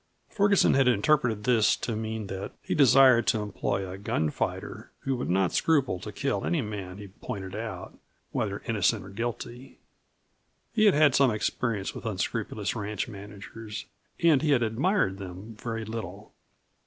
Ferguson had interpreted this to mean that he desired to employ a gunfighter who would not scruple to kill any man he pointed out, whether innocent or guilty. He had had some experience with unscrupulous ranch managers, and he had admired them very little.